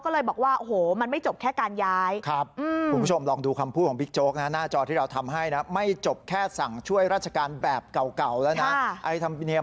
ลองโจ๊กก็เลยบอกว่าโอ้โฮมันไม่จบแค่การย้าย